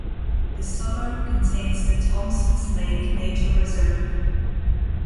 The suburb contains the Thomsons Lake Nature Reserve.